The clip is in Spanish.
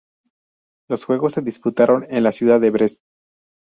Los juegos se disputaron en la ciudad de Brest.